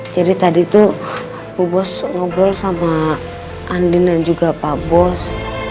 jadi tadi tuh bu bos ngobrol sama andin dan juga pak bos